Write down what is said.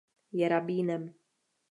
Změna klimatu probíhá.